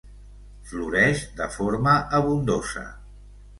Floreix de forma abundosa.